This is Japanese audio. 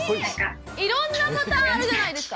いろんなボタンあるじゃないですか。